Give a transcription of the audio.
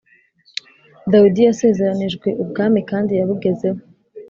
dawidi yasezeranijwe ubwami kandi yabugezeho